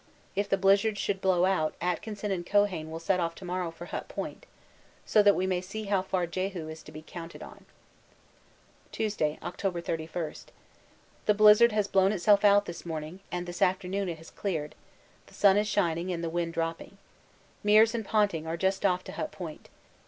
If the blizzard should blow out, Atkinson and Keohane will set off to morrow for Hut Point, so that we may see how far Jehu is to be counted on. Tuesday, October 31. The blizzard has blown itself out this morning, and this afternoon it has cleared; the sun is shining and the wind dropping. Meares and Ponting are just off to Hut Point.